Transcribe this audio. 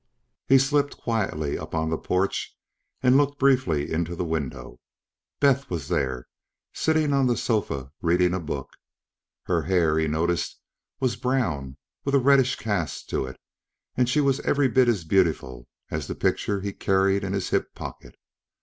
He slipped quietly up on the porch and looked briefly into the window. Beth was there, sitting on the sofa reading a book. Her hair, he noticed, was brown with a reddish cast to it and she was every bit as beautiful as the picture he carried in his hip pocket.